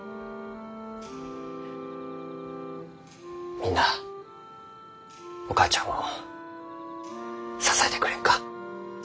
みんなあお母ちゃんを支えてくれんか？